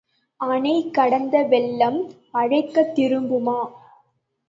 அணை கடந்த வெள்ளம் அழைக்கத் திரும்புமா?